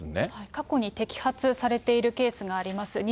過去に摘発されているケースがあります。